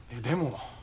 でも。